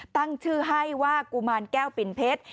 ตั้งชื่อให้ว่ากุมารแก้วปิ่นเพชร